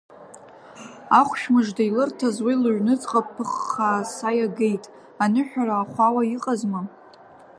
Ахәшә мыжда илырҭаз уи лыҩнуҵҟа ԥыххааса иагеит, аныҳәара ахәауа иҟазма.